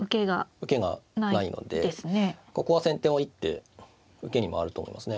受けがないのでここは先手も一手受けに回ると思いますね。